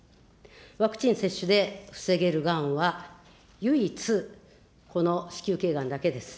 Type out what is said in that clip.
ワクチン接種で防げるがんは、唯一、この子宮けいがんだけです。